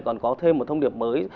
còn có thêm một thông điệp mới